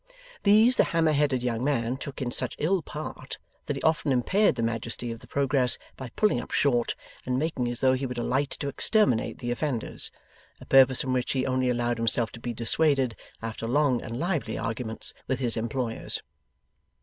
These, the hammer headed young man took in such ill part that he often impaired the majesty of the progress by pulling up short, and making as though he would alight to exterminate the offenders; a purpose from which he only allowed himself to be dissuaded after long and lively arguments with his employers.